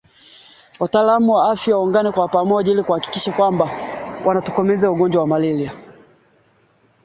kwa msaada wa jeshi la Rwanda, walishambulia kambi za jeshi za Tchanzu na Runyonyi